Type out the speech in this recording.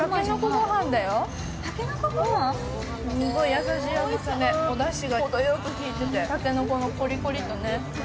優しい甘さで、おだしが程よくきいてて、竹の子のコリコリとね。